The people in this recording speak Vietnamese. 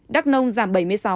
đắk nông giảm bảy mươi sáu